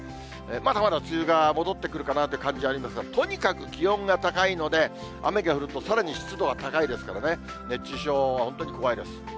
まだまだ梅雨が戻ってくるかなという感じありますが、とにかく気温が高いので、雨が降ると、さらに湿度が高いですからね、熱中症は本当に怖いです。